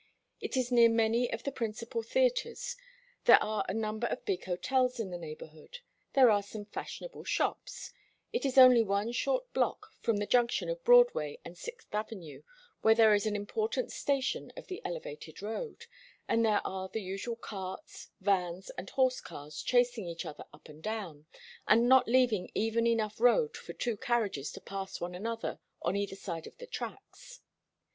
It is near many of the principal theatres; there are a number of big hotels in the neighbourhood; there are some fashionable shops; it is only one short block from the junction of Broadway and Sixth Avenue, where there is an important station of the elevated road, and there are the usual carts, vans and horse cars chasing each other up and down, and not leaving even enough road for two carriages to pass one another on either side of the tracks.